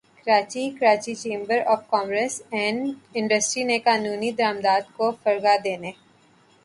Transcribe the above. Karachi Karachi chamber of commerce and industry نے قانونی درآمدات کو فروغ دینے